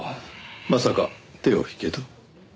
まさか手を引けと？